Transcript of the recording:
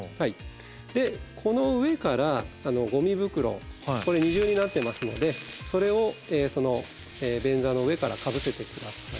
でこの上からごみ袋これ二重になってますのでそれをその便座の上からかぶせて下さい。